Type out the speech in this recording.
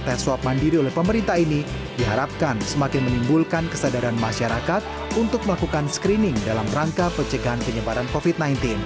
tes swab mandiri oleh pemerintah ini diharapkan semakin menimbulkan kesadaran masyarakat untuk melakukan screening dalam rangka pencegahan penyebaran covid sembilan belas